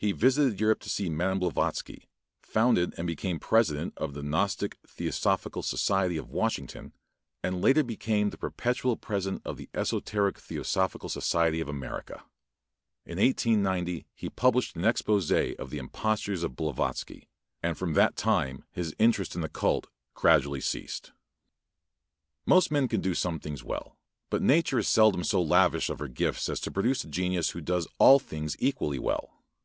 He visited Europe to see Mme. Blavatsky, founded and became president of the Gnostic Theosophical Society of Washington, and later became the perpetual president of the Esoteric Theosophical Society of America. In 1890 he published an exposé of the impostures of Blavatsky, and from that time his interest in the cult gradually ceased. Most men can do some things well, but nature is seldom so lavish of her gifts as to produce a genius who does all things equally well.